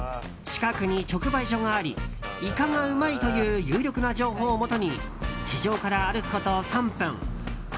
近くに直売所がありイカがうまいという有力な情報をもとに市場から歩くこと３分。